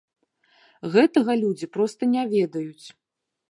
Гэтага людзі проста не ведаюць.